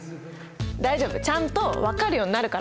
大丈夫ちゃんと分かるようになるから。